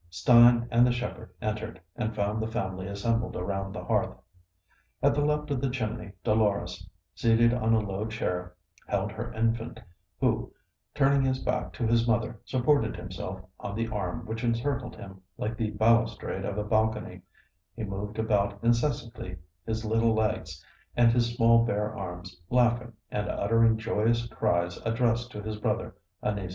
Stein and the shepherd entered, and found the family assembled around the hearth. At the left of the chimney, Dolores, seated on a low chair, held her infant; who, turning his back to his mother, supported himself on the arm which encircled him like the balustrade of a balcony; he moved about incessantly his little legs and his small bare arms, laughing and uttering joyous cries addressed to his brother Anis.